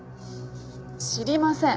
知りません。